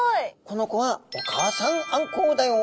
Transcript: この子はお母さんあんこうだよ。